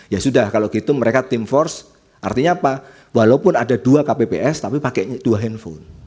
ya sudah kalau gitu mereka team force artinya apa walaupun ada dua kpps tapi pakai dua handphone